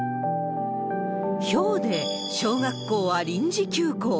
ひょうで小学校は臨時休校。